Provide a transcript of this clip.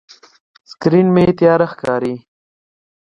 سکرین مې تیاره ښکاري.